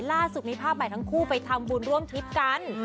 ล่าสุดมีภาพใหม่ทั้งคู่ไปทำบุญร่วมทริปกัน